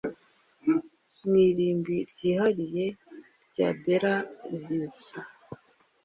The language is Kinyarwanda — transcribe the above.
mu irimbi ryihariye rya Bella Vista